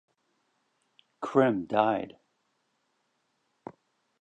B. Crim, died.